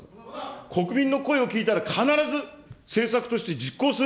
国民の声を聞いたら必ず政策として実行する。